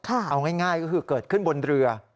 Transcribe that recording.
เอาง่ายก็คือเกิดขึ้นบนเรือ